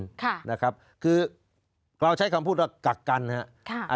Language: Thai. ค่ะนะครับคือเราใช้คำพูดว่ากักกันนะครับ